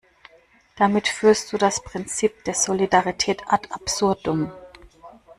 Damit führst du das Prinzip der Solidarität ad absurdum.